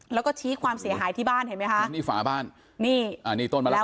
แล้วก็ชี้ความเสียหายที่บ้านเห็นไหมคะนี่ฝาบ้านนี่อ่านี่ต้นมาแล้ว